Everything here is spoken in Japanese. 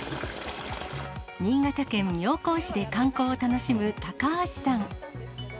新潟県妙高市で観光を楽しむ高橋さん。